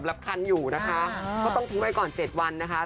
ไปรับคันอยู่นะคะคือต้องทิ้งไว้๗วันนะคะ